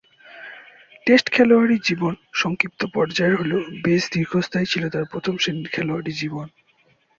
Test খেলোয়াড়ী জীবন সংক্ষিপ্ত পর্যায়ের হলেও বেশ দীর্ঘস্থায়ী ছিল তার প্রথম-শ্রেণীর খেলোয়াড়ী জীবন।